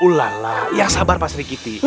ulala ya sabar pak sri giti